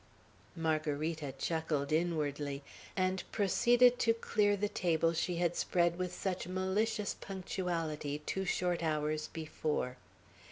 Margarita chuckled inwardly, and proceeded to clear the table she had spread with such malicious punctuality two short hours before.